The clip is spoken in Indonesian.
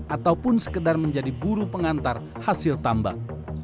ataupun sekedar menjadi buru pengantar hasil tambak